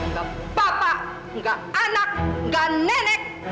nggak bapak nggak anak nggak nenek